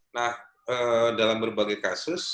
nah dalam berbagai kasus